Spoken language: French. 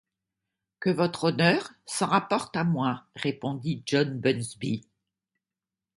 Que Votre Honneur s’en rapporte à moi, répondit John Bunsby.